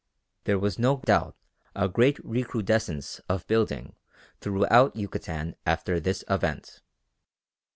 There was no doubt a great recrudescence of building throughout Yucatan after this event.